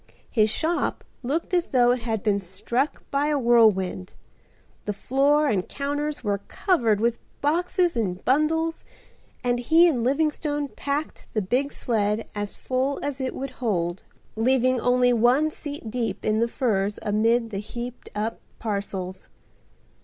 His shop looked as though it had been struck by a whirlwind. The floor and counters were covered with boxes and bundles, and he and Livingstone packed the big sleigh as full as it would hold, leaving only one seat deep in the furs amid the heaped up parcels.